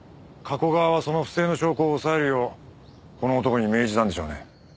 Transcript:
加古川はその不正の証拠を押さえるようこの男に命じたんでしょうね。